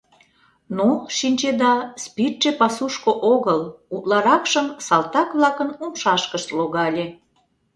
Но, шинчеда, спиртше пасушко огыл, утларакшым салтак-влакын умшашкышт логале.